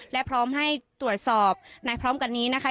และพร้อมให้ตรวจสอบในพร้อมกันนี้นะคะ